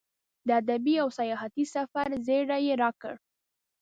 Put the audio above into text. د ادبي او سیاحتي سفر زیری یې راکړ.